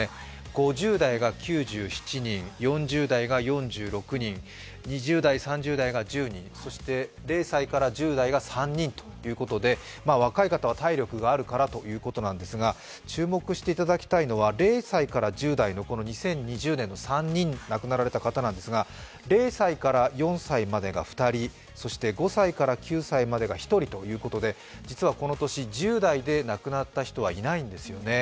５０代が９７人、４０代が４６人、２０代、３０代が１０人０歳から１０代が３人ということで、若い方は体力があるからということなんですが、注目していただきたいのは、０歳から１０代の２０２０年の３人亡くなられた方なんですが０歳から４歳が２人、そして５歳から９歳までが１人ということで実はこの年、１０代で亡くなった人はいないんですよね。